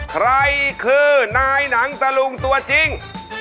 ใครคือนายหนังตะลุงตัวจริง